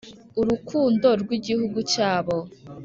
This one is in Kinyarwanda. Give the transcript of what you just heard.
urukundo rw Igihugu cyabo